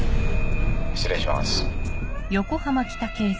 失礼します。